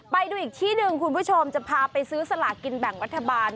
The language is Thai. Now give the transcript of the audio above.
ไปดูอีกที่หนึ่งคุณผู้ชมจะพาไปซื้อสลากินแบ่งรัฐบาล